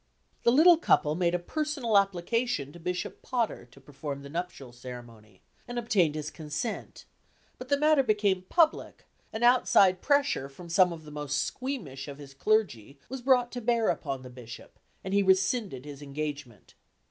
The little couple made a personal application to Bishop Potter to perform the nuptial ceremony, and obtained his consent; but the matter became public, and outside pressure from some of the most squeamish of his clergy was brought to bear upon the bishop, and he rescinded his engagement.